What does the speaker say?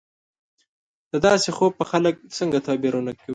د داسې خوب به خلک څنګه تعبیرونه کوي